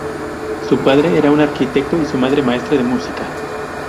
Su padre era un arquitecto y su madre maestra de música.